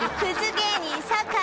芸人・酒井